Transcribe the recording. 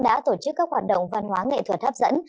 đã tổ chức các hoạt động văn hóa nghệ thuật hấp dẫn